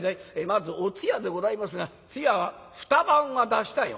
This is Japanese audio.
「まずお通夜でございますが通夜は２晩は出したい」。